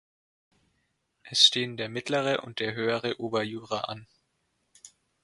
Es stehen der Mittlere und der Höhere Oberjura an.